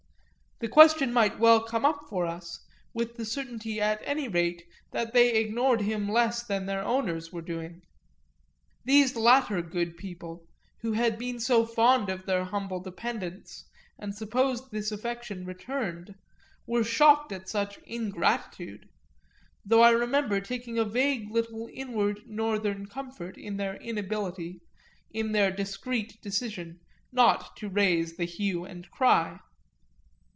that question might well come up for us, with the certainty at any rate that they ignored him less than their owners were doing. These latter good people, who had been so fond of their humble dependents and supposed this affection returned, were shocked at such ingratitude, though I remember taking a vague little inward Northern comfort in their inability, in their discreet decision, not to raise the hue and cry.